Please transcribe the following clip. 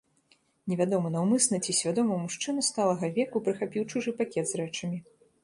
Невядома, наўмысна ці свядома мужчына сталага веку прыхапіў чужы пакет з рэчамі.